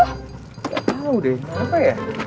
gak tahu deh kenapa ya